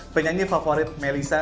penyanyi favorit melisa